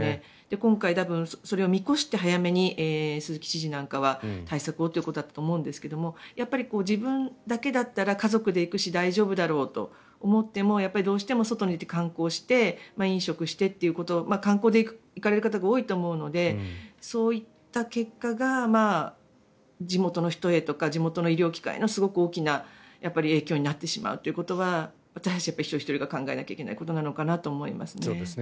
今回、多分それを見越して早めに鈴木知事なんかは対策をということだったと思うんですがやっぱり自分だけだったら家族で行くし大丈夫だろうと思ってもどうしても外に出て観光して飲食してっていうこと観光で行かれる方が多いと思うのでそういった結果が地元の人へとか地元の医療機関へのすごく大きな影響になってしまうということは私たち一人ひとりが考えないといけないことだと思います。